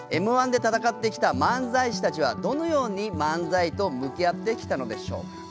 Ｍ−１で戦ってきた漫才師たちはどのように漫才と向き合ってきたのでしょうか。